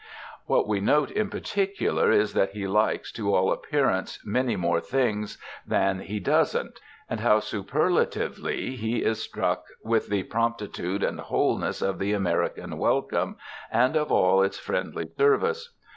What we note in particular is that he likes, to all appearance, many more things than he doesn't, and how superlatively he is struck with the promptitude and wholeness of the American welcome and of all its friendly service.